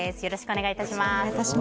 よろしくお願いします。